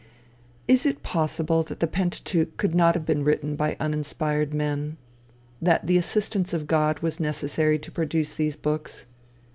Is it possible that the Pentateuch could not have been written by uninspired men? that the assistance of God was necessary to produce these books?